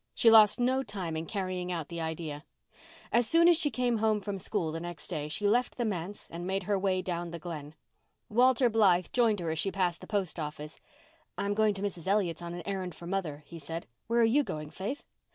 She lost no time in carrying out the idea. As soon as she came home from school the next day she left the manse and made her way down the Glen. Walter Blythe joined her as she passed the post office. "I'm going to Mrs. Elliott's on an errand for mother," he said. "Where are you going, Faith?"